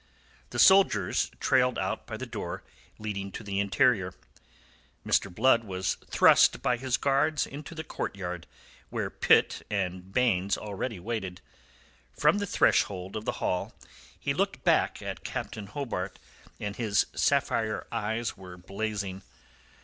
The soldiers trailed out by the door leading to the interior. Mr. Blood was thrust by his guards into the courtyard, where Pitt and Baynes already waited. From the threshold of the hall, he looked back at Captain Hobart, and his sapphire eyes were blazing.